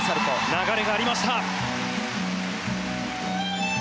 流れがありました。